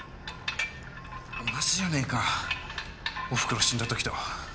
同じじゃねえかおふくろ死んだときと。